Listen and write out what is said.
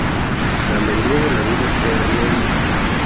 La alegría de la vida se había ido.